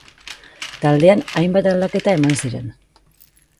Taldean hainbat aldaketa eman ziren.